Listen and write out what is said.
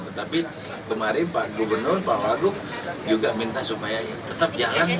tetapi kemarin pak gubernur pak wagub juga minta supaya tetap jalan